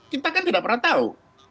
kita kan tidak pernah tahu